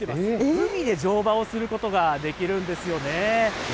海で乗馬をすることができるんですよね。